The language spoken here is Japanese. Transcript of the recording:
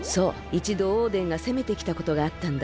いちどオーデンがせめてきたことがあったんだ。